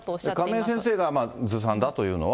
亀井先生がずさんだというのは。